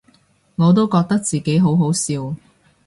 我都覺得自己好好笑